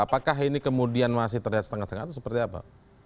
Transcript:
apakah ini kemudian masih terlihat setengah setengah atau seperti apa